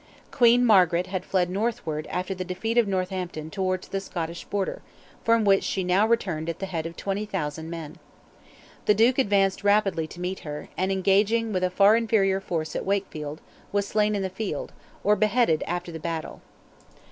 Queen Margaret had fled northward after the defeat of Northampton towards the Scottish border, from which she now returned at the head of 20,000 men. The Duke advanced rapidly to meet her, and engaging with a far inferior force at Wakefield, was slain in the field, or beheaded after the battle.